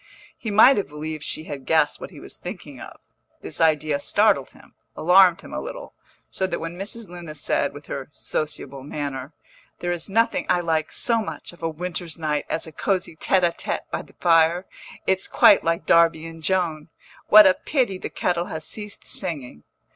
He might have believed she had guessed what he was thinking of. This idea startled him, alarmed him a little, so that when Mrs. Luna said, with her sociable manner, "There is nothing I like so much, of a winter's night, as a cosy tête à tête by the fire. It's quite like Darby and Joan; what a pity the kettle has ceased singing!"